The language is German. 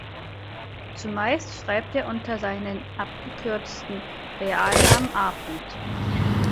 Zumeist schreibt er unter seinen abgekürzten Realnamen „A.